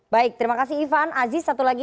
baik terima kasih ivan aziz satu lagi